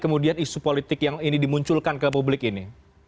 kemudian isu politik yang ini dimunculkan ke publik ini